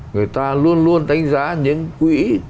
người ta luôn luôn đánh giá những quỹ